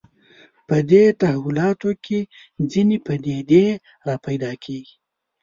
په دې تحولاتو کې ځینې پدیدې راپیدا کېږي